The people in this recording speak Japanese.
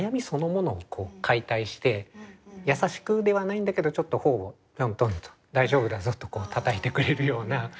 そのものを解体して優しくではないんだけどちょっと頬をトントンと「大丈夫だぞ」とたたいてくれるような。